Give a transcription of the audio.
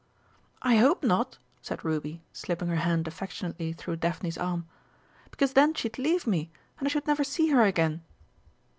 "I hope not," said Ruby, slipping her hand affectionately through Daphne's arm, "because then she'd leave me, and I should never see her again!"